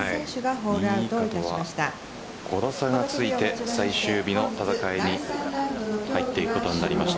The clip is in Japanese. ２位以下とは５打差がついて最終日の戦いに入っていくことになりました